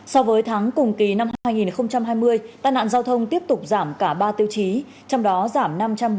so với tháng cùng kỳ năm hai nghìn hai mươi tai nạn giao thông tiếp tục giảm cả ba tiêu chí trong đó giảm năm trăm bốn mươi